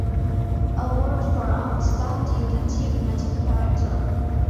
Award for Outstanding Achievement in Character.